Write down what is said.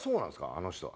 あの人は。